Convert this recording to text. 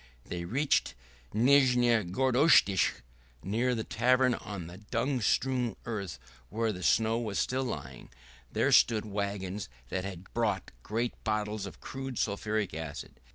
They reached Nizhneye Gorodistche. Near the tavern on the dung strewn earth, where the snow was still lying, there stood wagons that had brought great bottles of crude sulphuric acid.